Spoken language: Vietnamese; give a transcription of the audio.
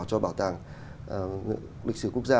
cho bảo tàng lịch sử quốc gia